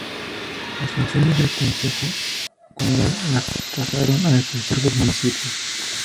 Las funciones del concejo condal las pasaron a ejercer los municipios.